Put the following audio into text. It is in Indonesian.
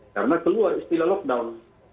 karena keluar istilah lockdown